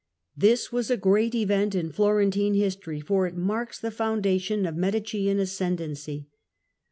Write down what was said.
This was a great event in Florentine Florence, j^igtory, for it marks the foundation of Medicean as cendency.